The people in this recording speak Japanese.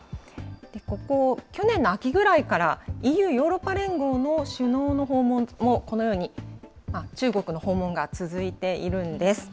ここ、去年の秋ぐらいからＥＵ・ヨーロッパ連合の首脳の訪問もこのように中国の訪問が続いているんです。